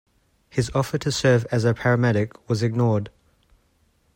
His offer to serve as a paramedic was ignored.